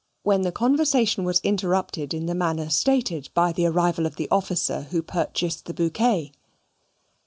When the conversation was interrupted in the manner stated by the arrival of the officer who purchased the bouquet.